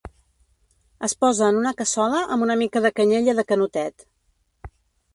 Es posa en una cassola amb una mica de canyella de canotet.